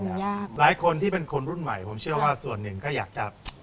ยากหลายคนที่เป็นคนรุ่นใหม่ผมเชื่อว่าส่วนหนึ่งก็อยากจะ